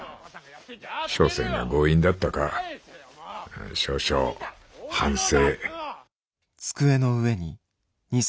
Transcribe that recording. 小生が強引だったか少々反省」。